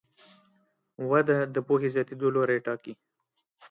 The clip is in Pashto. وده د پوهې د زیاتېدو لوری ټاکي.